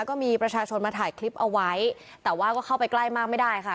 ก็มีประชาชนมาถ่ายคลิปเอาไว้แต่ว่าก็เข้าไปใกล้มากไม่ได้ค่ะ